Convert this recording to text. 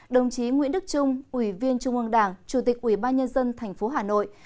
đồng chí nguyễn đức trung ủy viên trung ương đảng chủ tịch ủy ban nhân dân tp hà nội